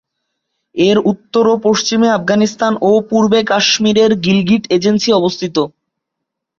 এর উত্তর ও পশ্চিমে আফগানিস্তান এবং পূর্বে কাশ্মীরের গিলগিট এজেন্সি অবস্থিত।